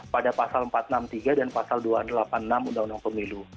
pada pasal empat ratus enam puluh tiga dan pasal dua ratus delapan puluh enam undang undang pemilu